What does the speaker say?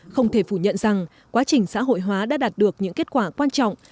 không thể phủ nhận rằng quá trình xã hội hóa đã đạt được những kết quả quan trọng